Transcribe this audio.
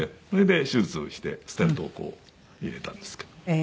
それで手術をしてステントを入れたんですけども。